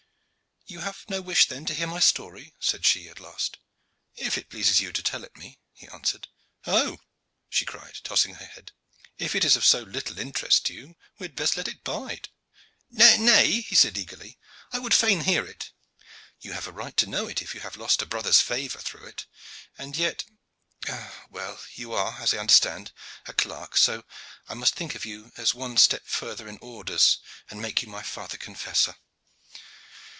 "You have no wish, then, to hear my story?" said she, at last. "If it pleases you to tell it me," he answered. "Oh!" she cried tossing her head, "if it is of so little interest to you, we had best let it bide." "Nay," said he eagerly, "I would fain hear it." "You have a right to know it, if you have lost a brother's favor through it. And yet Ah well, you are, as I understand, a clerk, so I must think of you as one step further in orders, and make you my father confessor.